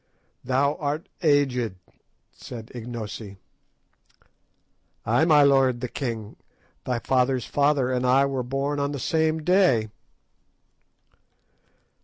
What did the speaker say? "Thou art aged," said Ignosi. "Ay, my lord the king! Thy father's father and I were born on the same day."